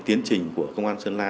tiến trình của công an sơn la